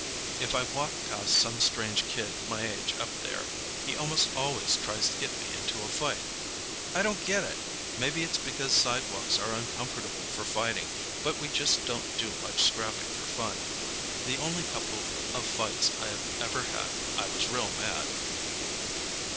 If I walk past some strange kid my age up there, he almost always tries to get me into a fight. I don't get it. Maybe it's because sidewalks are uncomfortable for fighting, but we just don't do much scrapping for fun. The only couple of fights I ever had, I was real mad.